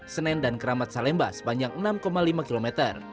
senen dan keramat salemba sepanjang enam lima km